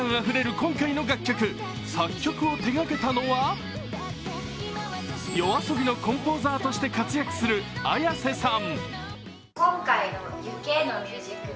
今回の楽曲、作曲を手がけたのは、ＹＯＡＳＯＢＩのコンポーザーとして活躍するＡｙａｓｅさん。